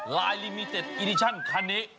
ลายรีวิว๗อีดิชั่นคันนี้